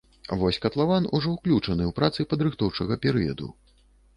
Вось катлаван ужо ўключаны ў працы падрыхтоўчага перыяду.